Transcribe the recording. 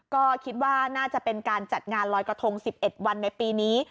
ก็คิดว่าน่าจะเป็นการจัดงานลอยกระทง๑๑วันในปีนี้